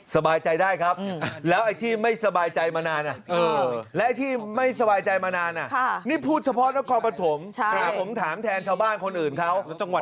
สบายใจได้ครับแล้วไอ้ที่ไม่สบายใจมานานน่ะพูดเฉพาะความปฐมผมถามแทนชาวบ้านคนอื่นเขา